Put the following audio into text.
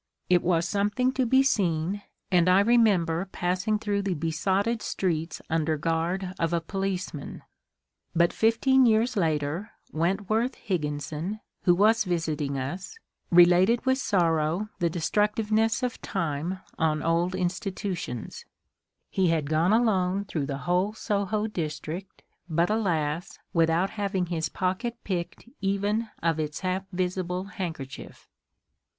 It was something to be seen, and I remember passing through the besotted streets under guard of a policeman. But fifteen years later Wentworth Higginson, who was visiting us, related with sorrow the destructiveness of time on old institutions : he had gone alone through the whole Soho district, but, alas, without having his pocket picked even of its half visible handkerchief.